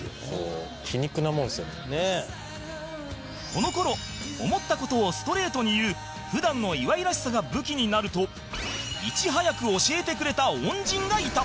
この頃思った事をストレートに言う普段の岩井らしさが武器になるといち早く教えてくれた恩人がいた